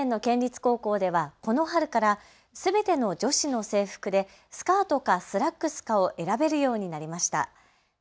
埼玉県の県立高校ではこの春からすべての女子の制服でスカートかスラックスかを選べるようになりました。